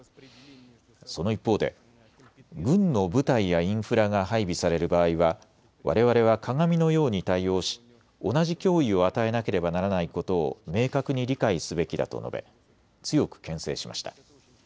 その一方で軍の部隊やインフラが配備される場合は、われわれは鏡のように対応し同じ脅威を与えなければならないことを明確に理解すべきだと述べ、強くけん制しました。